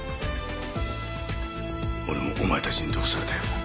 俺もお前たちに毒されたようだ。